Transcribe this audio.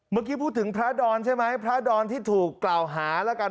เมื่อกี้พูดถึงพระดอนใช่ไหมพระดอนที่ถูกกล่าวหาแล้วกัน